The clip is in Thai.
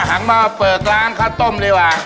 หันมาเปิดร้านข้าวต้มดีกว่า